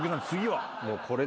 次は？